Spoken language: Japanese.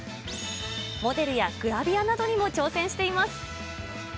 モデルやグラビアなどにも挑戦しています。